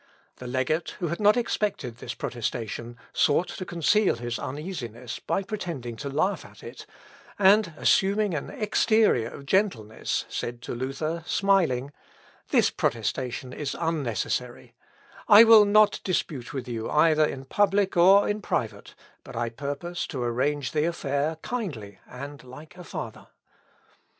The legate, who had not expected this protestation, sought to conceal his uneasiness by pretending to laugh at it, and assuming an exterior of gentleness, said to Luther, smiling, "This protestation is unnecessary, I will not dispute with you either in public or in private, but I purpose to arrange the affair kindly, and like a father."